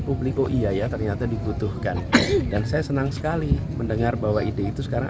publik oh iya ya ternyata dibutuhkan dan saya senang sekali mendengar bahwa ide itu sekarang